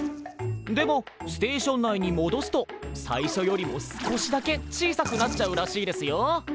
でもステーション内にもどすと最初よりも少しだけ小さくなっちゃうらしいですよ。